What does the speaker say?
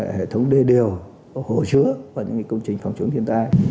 hệ thống đê điều hồ chứa và những công trình phòng chống thiên tai